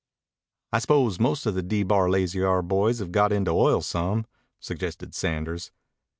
"I suppose most of the D Bar Lazy R boys have got into oil some," suggested Sanders.